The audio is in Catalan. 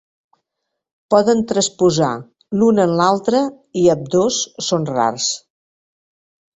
Poden transposar l'un en l'altre, i ambdós són rars.